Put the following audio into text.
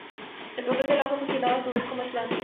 El papel de la hoja funcionaba a su vez como aislante.